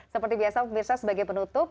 seperti biasa pemirsa sebagai penutup